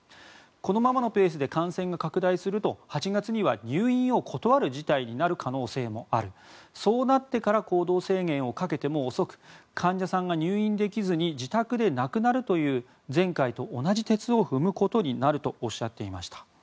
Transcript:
このままのペースで感染が拡大すると８月には入院を断る事態になる可能性もあるそうなってから行動制限をかけても遅く患者さんが入院できずに自宅で亡くなるという前回と同じ轍を踏むことになるとおっしゃっていました。